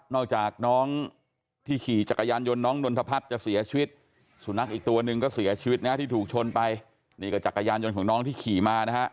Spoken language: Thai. รักยานยนต์ของน้องที่ขี่มานะครับ